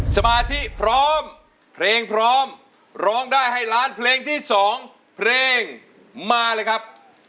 สมาธิพร้อมเพลงพร้อมร้องได้ให้ล้านเพลงที่๒เพลงมาเลยครับ